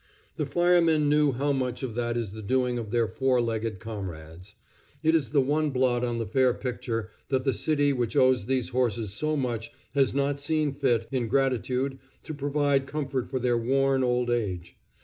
The firemen know how much of that is the doing of their four legged comrades. It is the one blot on the fair picture that the city which owes these horses so much has not seen fit, in gratitude, to provide comfort for their worn old age.